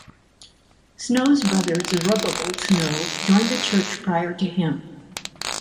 Snow's brother, Zerubbabel Snow, joined the church prior to him.